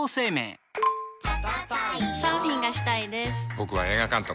僕は映画監督。